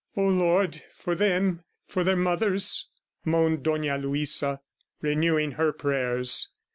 "O Lord, for them! ... for their mothers," moaned Dona Luisa, renewing her prayers.